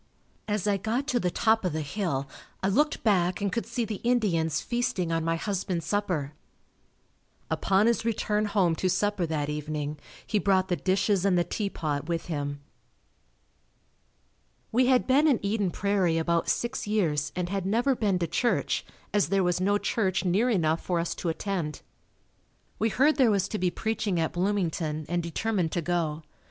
As I got to the top of the hill I looked back and could see the Indians feasting on my husband's supper. Upon his return home to supper that evening, he brought the dishes and the teapot with him. We had been in Eden Prairie about six years and had never been to church as there was no church near enough for us to attend. We heard there was to be preaching at Bloomington, and determined to go.